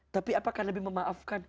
tapi apakah nabi memaafkan